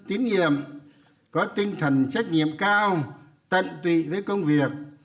kinh nghiệm có tinh thần trách nhiệm cao tận tụy với công việc